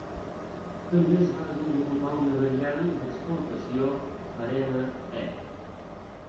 També es va desenvolupar una variant d'exportació, "Arena-E".